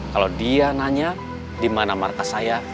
kalau dia nanya di mana markas saya